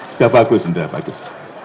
sudah bagus sudah bagus